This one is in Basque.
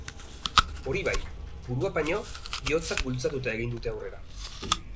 Hori bai, buruak baino, bihotzak bultzatuta egin dute aurrera.